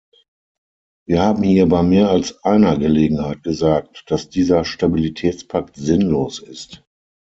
Wir haben hier bei mehr als einer Gelegenheit gesagt, dass dieser Stabilitätspakt sinnlos ist.